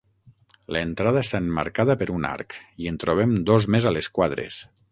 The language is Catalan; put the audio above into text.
L'entrada està emmarcada per un arc, i en trobem dos més a les quadres.